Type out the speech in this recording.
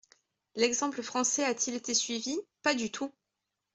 L’exemple français a-t-il été suivi ? Pas du tout.